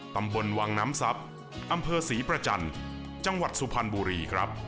ตำบลวังน้ำซับอำเภอสีประจันทร์จังหวัดสุพรรณบุรี